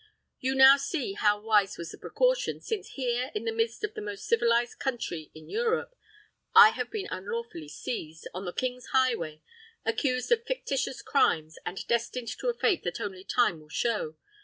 You now see how wise was the precaution, since here, in the midst of the most civilised country in Europe, I have been unlawfully seized, on the king's highway, accused of fictitious crimes, and destined to a fate that only time will show.